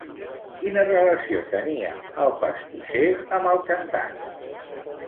Quina relació tenia el pastisser amb el cantant?